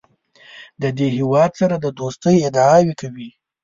د دې هېواد سره د دوستۍ ادعاوې کوي.